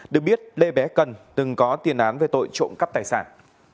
được biết lê bé cần từng có tiền án về tội trộm cắp tài sản